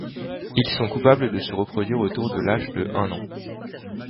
Ils sont capables de se reproduire autour de l'âge de un an.